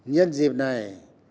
nhân dịp này